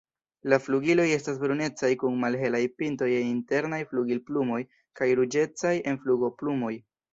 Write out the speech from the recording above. La flugiloj estas brunecaj kun malhelaj pintoj en internaj flugilplumoj kaj ruĝecaj en flugoplumoj.